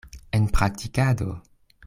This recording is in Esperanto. En praktikado?